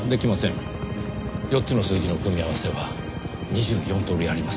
４つの数字の組み合わせは２４通りあります。